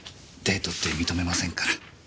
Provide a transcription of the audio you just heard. デートって認めませんから。